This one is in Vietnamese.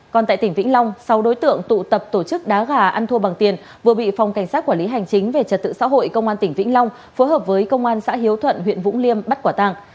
còn tại tỉnh vĩnh long sáu đối tượng tụ tập tổ chức đá gà ăn thua bằng tiền vừa bị phòng cảnh sát quản lý hành chính về trật tự xã hội công an tỉnh vĩnh long phối hợp với công an xã hiếu thuận huyện vũng liêm bắt quả tàng